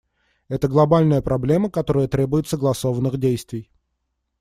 Это глобальная проблема, которая требует согласованных действий.